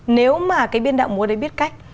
nếu mà cái biên đạo múa đấy biết cách